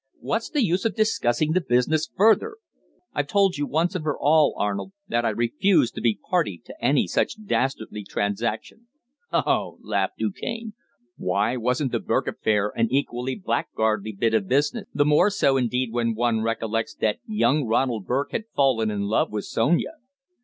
"What's the use of discussing the business further? I've told you, once and for all, Arnold, that I refuse to be a party to any such dastardly transaction." "Ho! ho!" laughed Du Cane. "Why, wasn't the Burke affair an equally blackguardly bit of business the more so, indeed, when one recollects that young Ronald Burke had fallen in love with Sonia."